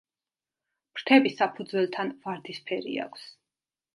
ფრთები საფუძველთან ვარდისფერი აქვს.